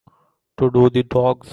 To go to the dogs.